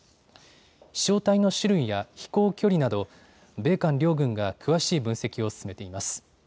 飛しょう体の種類や飛行距離など米韓両軍が詳しい分析を進めています。